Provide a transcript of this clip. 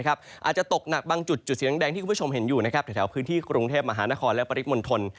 อาจจะตกหนักบางจุดจุดสีแดงที่คุณผู้ชมเห็นอยู่แถวพื้นที่กรุงเทพมหานครและปริมณฑล